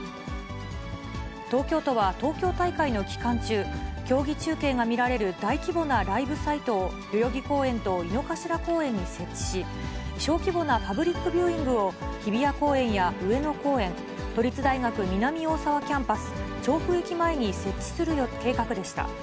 東京都は、東京大会の期間中、競技中継が見られる大規模なライブサイトを代々木公園と井の頭公園に設置し、小規模なパブリックビューイングを、日比谷公園や上野公園、都立大学南大沢キャンパス、調布駅前に設置する計画でした。